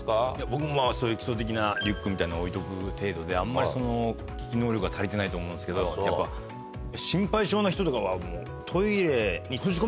僕も基礎的なリュックみたいの置いておく程度であんまり危機能力は足りてないと思うんですけどやっぱ心配性な人とかは。